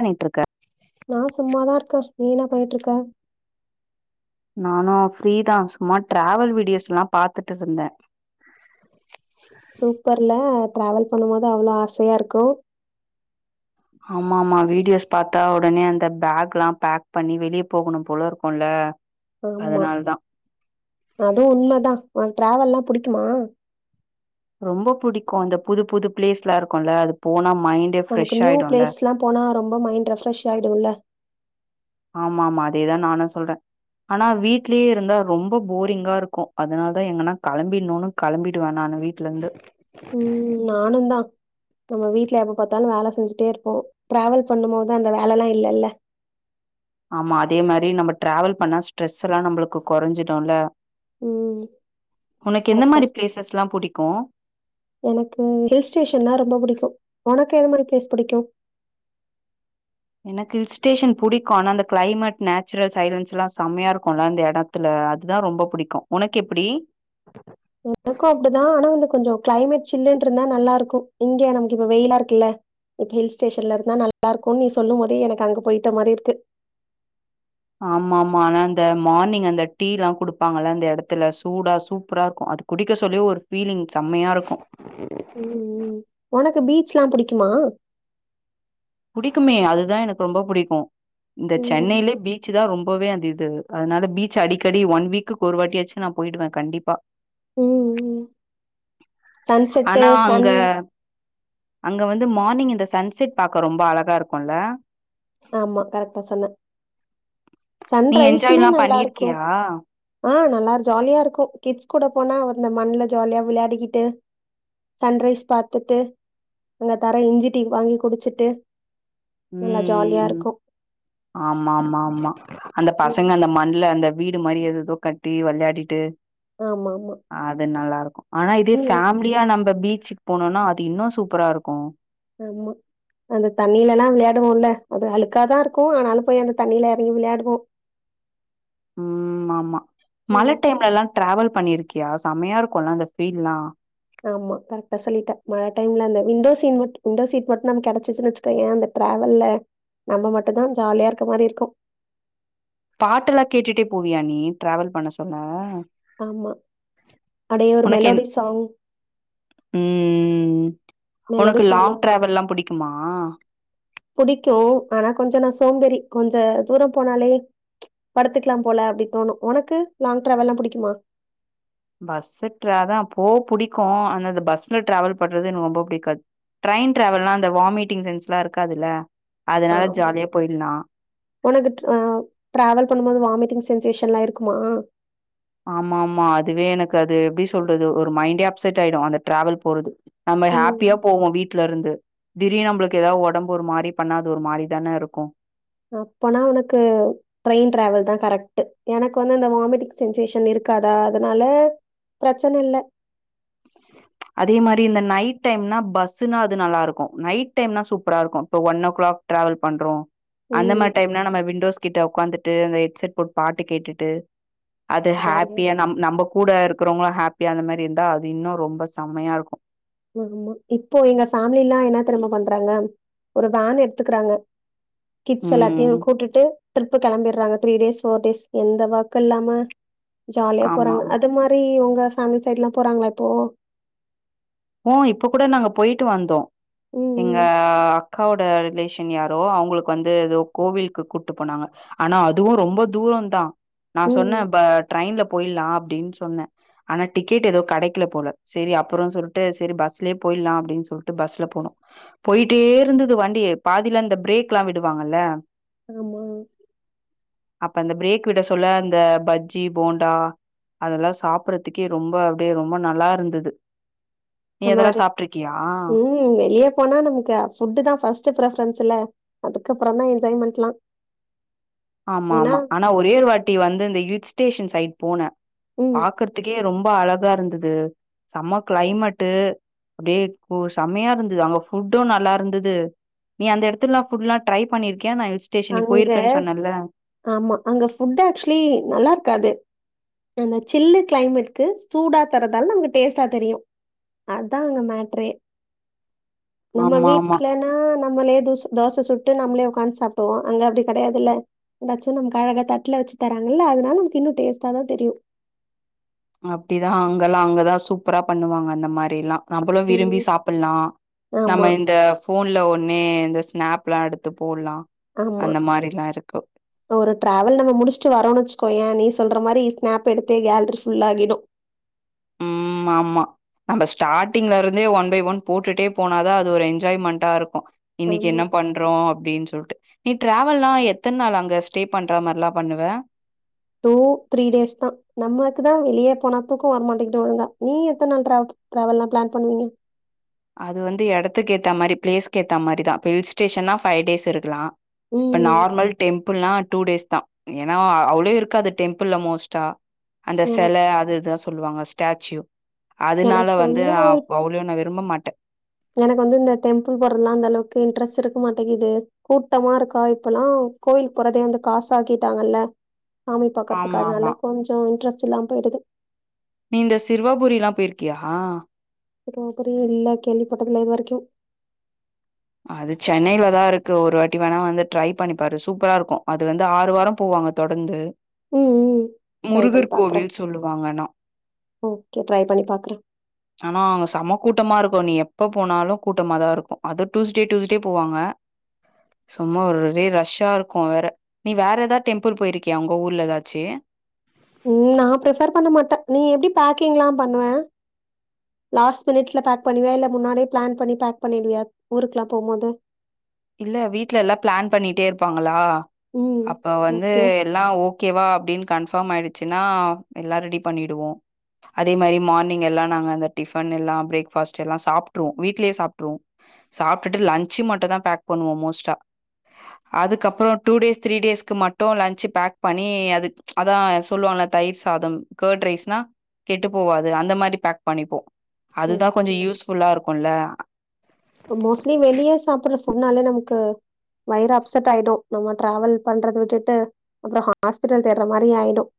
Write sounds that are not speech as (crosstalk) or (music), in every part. ண்ணிட்ருக்க நா சும்மாதாருக்கே நீ இன்னா பண்ணிட்ருக்க நானு ஃப்ரீதா சும்மா ட்ராவல் வீடியோஸ்ல்லா பாத்துட்டு இருந்தே சூப்பர் ல டிராவல் பண்ணும் போது அவ்வளோ ஆசையா இருக்கு ஆமா ஆமா வீடியோஸ் பார்த்தா ஒடனே அந்த பேக் ல்லா பேக் பண்ணி வெளிய போகணும் போல இருக்குல ஆம்மா அது உண்மதா உன் ட்ராவல்லா புடிக்குமா ரொம்போ புடிக்கோ அந்த புதுப் புது ப்ளேஸ் லா இருக்குல்ல அது போனா மைண்டே நமக்கு ஃப்ரெஷ் நியூ ஆயிடுல்ல ப்ளேஸ்லாம் போனா ரொம்ப மைண்டு ரெஃப்ரெஷ் ஆய்டுல ஆமா ஆமா அதேதா நானு சொல்ற ஆனா வீட்லியே இருந்தா ரொம்போ போரிங்கா ருக்கோ அதனால் தா எங்கன்னா களம்பிட்ணோன்னு களம்பிடுவே நானு வீட்லந்து ம் நானும் செஞ்சிட்டேருப்போ டிராவல் பண்ணும் போதா அந்த வேலெல்லா இல்லல ஆமா அதே மாரி நம்ப டிராவல் பண்ணா ஸ்ட்ரெஸ் எல்லா நம்பளுக்கு கொறஞ்சிடுல உம் கரக்டா மாரி பிளேசஸ்லா புடிக்கு (inaudible) எனக்கு ஹில் ஸ்டேஷன்னா ரொம்போ புடிக்கு உனக்கு எது மாரி ப்ளேஸ் புடிக்கு எனக்கு ஹில் ஸ்டேஷன் புடிக்கு ஆனா அந்த க்ளைமட் நாச்சுரல் சைலன்ஸ் ல்லா செம்மையா ருக்குல அந்த எடத்துல அதுதா ரொம்ப புடிக்கு உனக்கு எப்புடி எனக்கு அப்டிதா ஆனா வந்து கொஞ்ஜோ கிளைமேட் சில்லுன்னு இருந்தா நல்லா இருக்கு இங்கே நமக்கு இப்ப வெயிலா இருக்குல்ல இப்ப ஹீல் ஸ்டேஷன்ல இருந்தா நல்லாருக்குன்னு நீ சொல்லும் போத எனக்கு அங்க பொயிட்ட மாரி இருக்கு ஆமா ஆமா ஆனா அந்த மார்னிங் அந்த டீலா குடுப்பாங்கல்ல அந்த எடத்துல சூடா சூப்பரா இருக்கு அது குடிக்க சொல்லி ஒரு ஃபீலிங் செம்மையா இருக்கு ம் ம் ஒனக்கு பீச்லா புடிக்குமா புடிக்குமே அதுதா எனக்கு ரொம்ப புடிக்கு இந்த ம் சென்னைலே பீச்சு தா ரொம்பவே அந்த இது து அதனால பீச் அடிக்கடி ஒன் வீக்குக்கு ஒருவாட்டியாச்சு நா பொயிடுவே கண்டிப்பா ம் ம் சன்செட்டு் ஆனா அங்க சன் அங்க வந்து மார்னிங் இந்த சன் செட் பாக் றக்கு ரொம்ப அழகா இருக்குல ஆமா கரெட்டா சொன்ன சன் நீ ரைஸுமே என்ஜாய்லா நல்லாருக்கு பண்ணிருக்கியா ஆஹ் நல்லா ஜாலியா இருக்கு கிட்ஸ் கூட போனா அந்த மண்ல ஜாலியா விளையாடிக்கிட்டு சன்ரைஸ் பாத்துட்டு அங்க தர இஞ்சி டீ வாங்கி குடிச்சிட்டு நல்லா ம் ஜாலியா ம் இருக்கு ஆமா ஆமா ஆமா அந்த பசங்க அந்த மண்ல அந்த வீடு மாரி எதெதோ கட்டி வெளயாடிட்டு ஆமா ஆமா அது நல்லாரு ஆனா இதே ஃபேமிலியா நம் இப்ப பீச்சுக்கு போனோன்னா அது இன்னோ சூப்பராருக்கு ஆமா அந்த தண்ணிலலா விளையாடுவோல அது அழுக்காதா இருக்கு ஆனாலு போய் அந்த தண்ணில எறங்கி விளையாடுவோ ம் ஆமா மழ ம் டைம்லலா ட்ராவல் பண்ணிருக்கியா செமையா இருக்குல அந்த ஃபீல்லா ஆமா கரெட்டா சொல்லிட்ட மழ டைம்ல அந்த விண்டோ சிம்ட் விண்டோ சீட் மட்டு நமக்கு கெடச்சசினு வச்சுக்கோயே அந்த ட்ராவெல்ல நம்ப மட்டு தா ஜாலியா இருக்க மாரி இருக்கு பாட்டெல்லா கேட்டுட்டே போவியா நீ ட்ராவல் பண்ண சொன்ன ஆமா அடே ஒரு உனக்கு என் மெலோடி சாங் ம் மெலோடி உனக்கு சாங்னா லாங் டிராவல்லா புடிக்குமா புடிக்கு ஆனா கொஞ்ஜமா சோம்பேறி கொஞ்ஜ தூரோ போனாலே ம்ச் படத்துகெலா போல அப்டி தோனு உனக்கு லாங் ட்ராவல்லா புடிக்குமா பஸ்ஷு ட்ரே தா போ புடிக்கு ஆனா அந்தபஸ்ல ட்ராவல் பண்றது எனக்கு ரொம்ப புடிக்காது ட்ரெயின் ட்ராவல்லா அந்த வாமிட்டிங் சென்ஸ்லா இருக்காது இல்ல ஆமா உனக்கு டிராவல் பண்ணும்போது வாமிட்டிங் சென்சேஷன் எல்லா இருக்குமா ஆமா ஆமா அதுவே எனக்கு அது எப்டி சொல்றது ஒரு மைண்டே அப்செட் ஆயிடு அந்த ட்ராவல் போறது நம்ப ம் ஹாப்பியா போவோ வீட் வீட்ல இருந்து திடீர்னு நம்ளுக்கு ஏதாது ஒடம்பு ஒரு மாரி பண்ணா அது ஒரு மாரி தானே இருக்கு அப்பனா உனக்கு ட்ரெயின் ட்ராவல் தா கரெக்ட்டு எனக்கு வந்து அந்த வாமிட்டிங் சென்சேஷன் இருக்காதா அதனால பிரச்சன இல்ல அதே மாரி இந்த நைட் டைம்னா பஸ்னா அது நல்லாருக்கு நைட் டைம்னா சூப்ரா இருக்கு இப்போ ஒன் ஓ கிளாக் ட்ராவல் பண்றோ அந்த ம் மாரி டைம்னா நம்ம விண்டோஸ் கிட்ட உக்காந்துட்டு அந்த ஹெட்செட் போட் பாட்டு கேட்டுட்டு அது ஜாலியா ஹாப்பியா இருக்கு நம் நம்ப கூட இருக்கிறவங்களு ஹாப்பியா அந்த மாரி இருந்தா அது இன்னு ரொம்ப செம்மையாருக்கு ஆமா இப்போ எங்க ஃபேமலில்லா என்னா தெரியுமா பண்றாங்க ஒரு வேன் எடுத்துக்கறாங்க கிட்ஸ் எல்லாத்தையு ம் கூட்டிட்டு ட்ரிப்பு கெளம்பியறாங்க த்ரீ டேஸ் ஃபோர் டேஸ் எந்த ஒர்க்கு இல்லாம ஜாலியா ஆமா போறாங்க ஆமா அது மாரி ஒங் க பேமிலி சைட்லா போறாங்களா இப்போ ஓ இப்ப கூட நாங்க போயிட்டு வந்தோ எங்க ம் அக்காவோட ரிலேஷன் யாரோ அவங்களுக்கு வந்து எதோ கோவிலுக்கு கூப்ட்டு போனாங்க ஆனா அதுவு ரொம்ப தூரொந்தா நா ம் ம். சொன்ன ப ட்ரெயின்ல போயட்லா அப்படின் சொன்ன ஆனா டிக்கெட் எதோ கெடைக்கல போல செரி அப்பறொ சொல் ட்டு செரி பஸ்லயே போயிட்லா அப்படின் சொல்ட்டு பஸ்ல போனோ போயிட்டே இருந்தது வண்டி பாதில அந்த பிரேக்லா விடுவாங்கல்ல ஆமா அப்ப அந்த பிரேக் விட சொல்ல அந்த பஜ்ஜி போண்டா அதெல்லா சாப்பறதுக்கே ரொம்ப அப்டியே ரொம்பொ நல்லா இருந்துது அந் மாரி ம் வெளியே போனா நமக்கு ஃபுட்டுதா ஃபர்ஸ்ட் ஃப்ரபரன்ஸ்ல அது அதுக்கப்பறந்தா என்ஜாய்மெண்ட்லா ஆமா ஆமா ஆனா ஒரேரு வாட்டி வந்து இந்த கில் ஸ்டேஷன்ஸ் சைட் போன ம். பாக்கறதுக்கே ரொம் ம்ப அழகா இருந்துது செம்ம க்ளைமட் அப்டியே பொ செமையா இருந்துது அங்க ஃபுட்டு நல்லா இருந்துது நீ அந்த எடத்துல்லா ஃபுட்லா ட்ரை பண்ணிருக்கியா நா ஹில் ஸ்டேஷன்க்கு அங்க போயிருக்கன் ஆமா அங்க ஃபுட் ஆக்சுவலி நல்லா இருக்காது அந்த சில்லு கிளைமேட்க்கு சூடா தர்றதால நமக்கு டேஸ்ட்டா தெரியு அதா அங்க மேட்ரே நம்ம ஆமா, ஆமா. வீட்லனா நம்மளே தோச தோச சுட் டு நம்மளே உக்காந்து சாப் ட்டோ அங்க அப்டி கெடையாதுல்ல எதாச்சு நமக்கு அழகா தட்டுல வச்சு தராங்கல்ல அதனால நமக்கு இன்னு டேஸ்டாதா தெரியு அப்டிதா அங்கெல்லா அங்கதா சூப்பரா பண்ணுவாங்க அந்த மாரில்லா நம்பளு விரும்பி ம். சாப்டலா ஆமா, நம்ம இந்த ஃபோன்ல ஒன்னே இந்த ஸ்னாப் ப்லா எடுத்து போட்லா ஆமா ஒரு டிராவல் நம்ம முடிச்சுட்டு வரோனு வச்சுக்கோய நீஸ் சொல்ற மாரி ஸ்நாப் எடுத்தே கேலரி ஃபுல்லாகிடு ம் ஆமா நம்ம ஸ்டார்டிங்ல இருந்தே ஒன் பை ஒன் போட்டுட்டே போனாதா அது ஒரு என்ஜாய்மண்ட்டா இருக்கு இன்னைக்கு ஆமா. என்ன பண்றோம் அப்படின் சொல்ட்டு நீ ட்ராவல்லா எத்த நாள் அங்க ஸ்டே பண்ற மாரிலா பண்ணுவ டூ த்ரீ டேஸ் தா நம்மக்கு தா வெளியே போன தூக்க வரமாட்டிக்கிட்டு ஒழுங்கா நீ எத்த நாள் ட்ரா ட்ராவல்லாம் பிளான் பண்ணுவீங்க அது வந்து இடத்துக்கு ஏத்த மாரி பிளேஸ்க்கு ஏத்த மாரி தா இப்ப ஹில் ஸ்டேஷன்னா ஃபைவ் டேஸ் இருக்கலா இப்ப ம் நார்மல் டெம் புள்ளா டூ டேஸ் தான் ஏனா அவ்ளோ இருக்காது டெம்புள்ள மோஸ்ட்டா அந்த எனக் செல அது இதுதா சொல்லுவாங்க டாச்சுயூ அதனால வந்து நா அவ்ளுயூ நா விரும்ப மாட் எனக்கு வந்து இந்த டெம்புள் போறதுலா அந்த அளவுக்கு இன்ட்ரெஸ்ட் இருக்க மாட்டேங்கிது கூட்டமா இருக்கா இப்பல்லா கோவில் போறதே வந்து காசு ஆக்கிட்டாங்கல்ல சாமி பாக்றதுக்கு ஆமாமா. அதுனால கொஞ்சோ இன்ட்ர ஸ் இல்லாம போயிருது நீ இந்த சிர்வாபுரியலா பெயிருக்கியா ரோபரி இல்ல கேள்விபட்டதுல்ல இது வரைக்கு அது சென்னையில தா இருக்கு ஒரு வாட்டி வேணா வந்து ட்ரை பண்ணிப்பாரு சூப்பரா இருக்கும் அது வந்து ஆறு வாரம் போவாங்க தொடர்ந்து ம் ம் ட்ரை பண்ணி முருகர் பாக்குறே கோவில் சொல்லுவாங்கன்னா ஓகே ட்ரை பண்ணி பாக்குறே ஆனா அவங்க செமக்கூட்டமா இருக்கும் நீ எ எப்போ போனாலும் கூட்டமாக தான் இருக்கும் அது டூஸ்டே டூஸ்டே போவாங்க சும்மா ஒரே ரஷ்ஷா இருக்கும் வேற நீ வேற எதா டெம்பிள் போயிருக்கிய உங்க ஊர்ல ஏதாச்சு உம் நான் பிரஃபர் பண்ண மாட்டேன் நீ எப்டி பேக்கிங்ல்லாம் பண்ணுவேன் லாஸ்ட் மினிட்ல பேக் பண்ணுவிய இல்ல முன்னாடியே பிளான் பண்ணி பேக் பண்ணிடுவியா ஊருக்லாம் போ போது இல்ல வீட்ல எல்லாம் பிளான் பண்ணிட்டே இருப்பாங்களா ம். அப்ப வந்து ஓகே. எல்லாம் ஓகேவா அப்படின்னு கன்ஃபார்ம் ஆயிடு ச்சுனா எல்லா ரெடி பண்ணிடுவோ அதே மாரி மார்னிங் எல்லா நாங்க டிஃபன் எல்லா பிரேக் ஃபாஸ்ட் எல்லா சாப்ட்ருவோ வீட்லயே சாப்ட்ருவோ சாப்டுட்டு லச்சு மட்டும்தா பேக் பண்ணுவோம் மோஸ்டா அதுக்கப்புறம் டூ டேஸ் தீரி டேஸ்க்கு மட்டு லன்சு பேக் பண்ணி அது அதான் சொல்லுவா தயிர் சாதம் கர்ட் ரைஸ்னா கெட்டு போவாது அந்த மாதிரி பேக் பண்ணிப்போம் அதுதான் கொஞ்சொ ஓகே. யூஸ்ஃபுல்லா இருக் குள்ள முன்னால நமக்கு வயிறு அப்செட் ஆயிடும் நம்ம ட்ராவல் பண்றத விட்டுட்டு அப்பறம் ஹாஸ்பிட்டல் தேடுற மாரி ஆயிடும்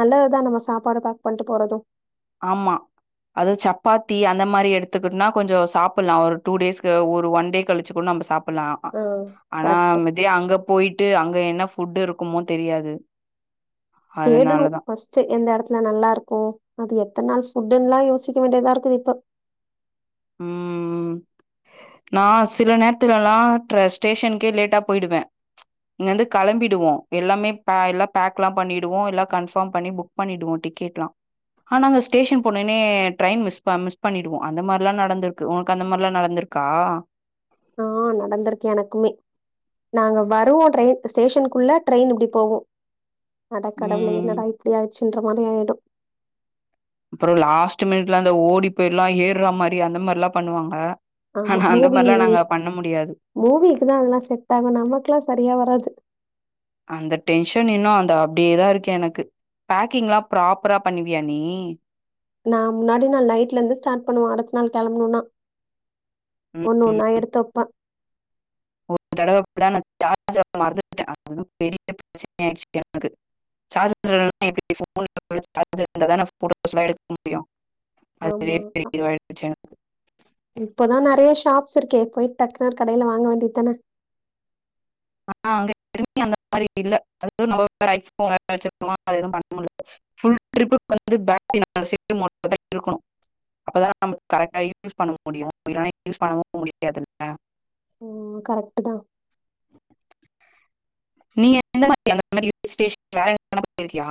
நல்லதுதா நம்ம சாப்பாட பேக் பண்ணிட்டு போறதும் ஆமா அது சப்பாத்தி அந்த மாரி எடுத்துக்குனா கொஞ்சம் சாப்புலாம் ஒரு டூ டேஸ்க்கு ஒரு ஒன் டே கழிச்சு கூட நம்ம சாப் புலாம் ஆ ஆனா கரெக்ட்டு. மிதி அங்க போயிட்டு அங்க என்ன ஃபுட்டு இருக்குமோ தெரியாது அதனால தேடணும் தான். ஃபர்ஸ்ட் எந்த இடத்துல நல்லா இருக்கும் அது எப் எத்துன நாள் ஃபுட்யெல்லா யோசிக்க வேண்டியதா இருக்கு இப்ப ம் நா சில நேரத்துலல்லாம் ட்ர ஸ்டேஷனுக்கே லேட்டா போயிடுவேன் இங்க இருந்து கெளம்பிடுவோம் எல்லாமே பே எல்லா பேக்கேல்லாம் பண்ணிடுவோம் எல்லாம் கன்ஃபாம் பண்ணி புக் பண்ணிடுவோம் டிக்கெட்லாம் ஆனா அங்க ஸ்டேஷேன் போனனே ட்ரேயின் மிஸ் ப மிஸ் பண்ணிடுவோம் அந்த மா லாம் நடந்துருக்கு உனக்கு அந்த மாரிலா நடந்துருக்கா ஆ நடந்துருக்கு எனக்குமே நாங்க வருவோம் ட்ரெயின் ஸ்டேஷன்குள்ள ட்ரெயின் இப்டி போகும் அட கடவுளே ம். என்னடா இப்டி ஆயிட் ச்சுன்ற மாதிரி ஆயிடும் அப்பறம் லாஸ்ட் மினிட்ல அந்த ஓடி போயி எல்லாம் ஏற்ற மாரி அந்த மாரிலாம் பண்ணுவாங்க ஆமா ஆனா அந்த மாரிலாம் நாங்க மூவிஸ் பண்ண முடியாது. மூவிக்குதா அதெல்லா செட் ஆகும் நமக்குகெல்லா சரியா வராது அந்த டென்ஷன் இன்னும் அந்த அப்படியேதா இருக்கு எனக்கு பேக்கிங் எல்லாம் ப்ராப்பரா பண்ணுவியா நீ நா முன்னாடி நாள் நைட்லந்து ஸ்டார்ட் பண்ணுவோ அடுத்த நாள் கெளம்பணுனா ம். ஒண்ணு ஒண்ணா எடுத்து வப்பே ஒரு தடவ இப்டிதா நா சார்ஜர மறந்துட்ட அது (inaudible) பெரிய ப்ரச்சன ஆயிச்சி எனக்கு சார்ஜர் இல்லனா எப்டி ஃபோன்ல (inaudible) சார்ஜர் இருந்தா தான நா ஃபோட்டோஸ்லா எடுக்க முடியு ஆமா எனக்கு இப்பதா நெறைய ஷாப்ஸ் இருக்கே போயிட் டக்குனு ஒரு கடைல வாங்க வேண்டியத் தான ஆனா அங்க (inaudible) அந்த மாரி இல்ல அதுக்குள் நம்ம வேற ஐஃபோன் வேற வச்சிருப்போமா அது எதுவும் பண்ண முல்ல ஃபுல் ட்ரிப்புக்கு வந்து பேட்ரி (inaudible) இருக்கணு அப்பதா நமக்கு கரெக்ட்டா யூஸ் பண்ண முடியு இல்லன்னா யூஸ் பண்ணவும் முடியாதுல்ல ம் கரெக்ட்டு தா நீ எந்த மாரி அங்க அந்த மாரி இல் ஸ்டேஷன்ல வேற (inaudible) போயிருக்கியா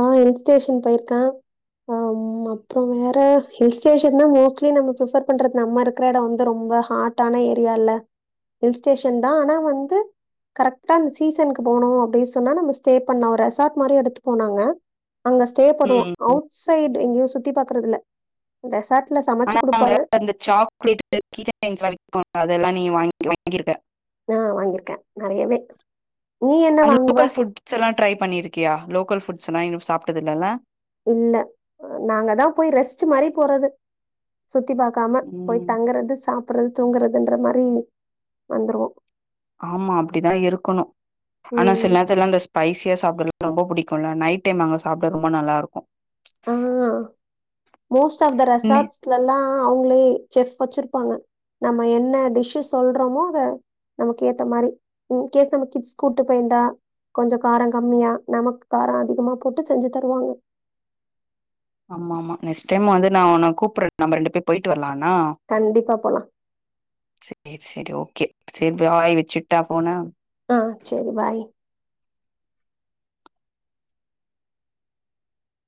ஆ இல் ஸ்டேஷன் போயிருக்க ஆ ம் அப்றோ வேற ஹில் ஸ்டேஷன் தா மோஸ்ட்லி நம்ம ப்ரிஃபேர் பண்றது நம்ம இருக்குற எடொ வந்து ரொம்ப ஹாட்டான ஏரியால்ல ஹில் ஸ்டேஷன் தா ஆனா வந்து கரெக்ட்டா அந் சீசனுக்கு போணு அப்டின் சொன்னா நம்ம ஸ்டே பண்ணோரு ரெசார்ட் மாரி எடுத் போனாங்க அங்க ஸ்டே பண்ணுவோ ம் அவுட் சைட் எங்கயு சுத்தி பாக்குறதில்ல ரெசார்ட் ஆனா நாங்க அந்த சாக்லேட்டு கீ செயின்ஸ்லா விக்குல்ல அது அதெல்லா நீ வாங்க வாங்கிர்க்க அ வாங்கிருக்க நறையவே அந்த லோக்கல் ஃபுட்ஸெல்லா ட்ரை பண்ணிருக்கியா லோக்கல் ஃபுட் ஸ்லா இன்னு சாப்ட்டதில்லல்ல இல்ல நாங்க தா போய் ரெஸ்ட்டு மாரி போறது சுத்தி பாக்காம போய் ம் தங்குறது சாப்புர்றது தூங்குற துன்ற மாரி வந்துருவோ ஆமா அப்டிதா இருக்கணு ஆனா ம். சில் நேரத்துல்லா அந்த ஸ்பைசியஸ் (inaudible) ரொம்ப புடிக்குல்ல நைட் டைம் அங்க சாப்ட ரொம்ப நல்லா இருக்கு ஆ மோஸ்ட் ஆஃப் த ன்னே ரெசாட்ஸ்லல்லா அவுங்களே செஃப் வச்சிர் பாங்க நம்ம என்ன டிஷ்ஷு சொல்றோமோ அத நமக்கு ஏத்த மாரி இன்கேஸ் நம்ம கிட்ஸ் கூட்டு போயிந்தா கொஞ்சொ காரங் கம்மியா நமக்கு காரொ அதிகமா போட்டு செஞ்சு தருவாங்க ஆமா ஆமா நெஸ்ட் டைமு வந்து நா ஒன்ன கூப்புர்ற நம்ப ரெண்டு பேர் போயிட்டு வர்லா கண்டிப்பா போலா (inaudible) சேரி சேரி ஓகே சேரி பாய் வச்சுட்டா ஃபோன ஆ சரி பாய்